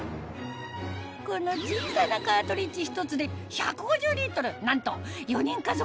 この小さなカートリッジひとつで１５０なんと４人家族